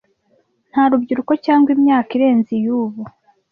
Nta rubyiruko cyangwa imyaka irenze iy'ubu,